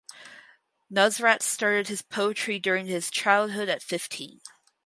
Nusrat started his poetry during his childhood at fifteen.